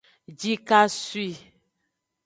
Jikasoi.